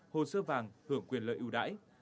hồ sơ vàng hưởng quyền lợi ưu đãi